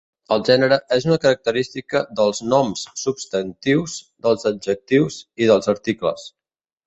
El gènere és una característica dels noms substantius, dels adjectius i dels articles.